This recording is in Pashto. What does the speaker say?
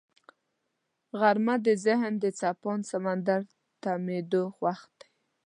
غرمه د ذهن د څپاند سمندر تمېدو وخت دی